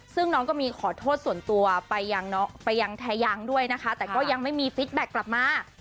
ซึ่งน้องก็มีขอโทษส่วนตัวไปยังแทยังด้วยนะคะแต่ก็ยังไม่มีฟิตแบ็คกลับมา